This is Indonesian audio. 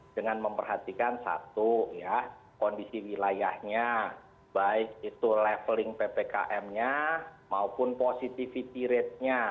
dengan memperhatikan satu kondisi wilayahnya baik itu leveling ppkm nya maupun positivity ratenya